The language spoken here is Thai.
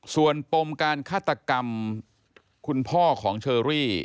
ส่วนปมการฆาตกรรมคุณพ่อของเชอรี่